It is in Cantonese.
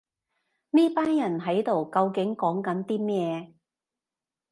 呢班人喺度究竟講緊啲咩